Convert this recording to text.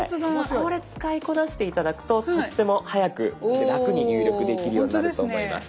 これ使いこなして頂くととっても早く楽に入力できるようになると思います。